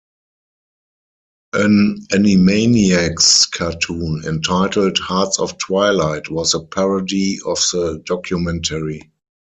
An "Animaniacs" cartoon entitled "Hearts of Twilight" was a parody of the documentary.